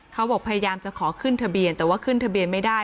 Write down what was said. เขาบอกพยายามจะขอขึ้นทะเบียนแต่ว่าขึ้นทะเบียนไม่ได้